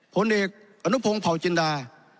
ผลเอกอนุโพงผ่าวจินรา